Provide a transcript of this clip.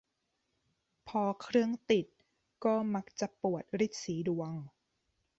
พอเครื่องติด ก็มักจะปวดรีดสีดวง